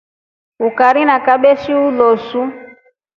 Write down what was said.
Ukari na kabeshi ulosu.